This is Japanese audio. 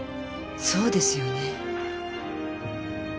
そうですよね。